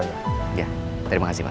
iya terima kasih pak